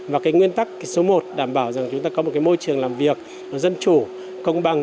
và cái nguyên tắc số một đảm bảo rằng chúng ta có một cái môi trường làm việc dân chủ công bằng